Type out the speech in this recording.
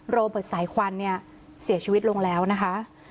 โรเบิร์ตสายควันเนี่ยเสียชีวิตลงแล้วนะคะ